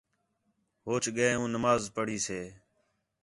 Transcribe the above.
ہوچ ڳئے ہوں نماز پڑھی سے